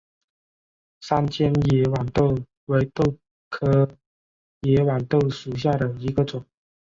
三尖野豌豆为豆科野豌豆属下的一个种。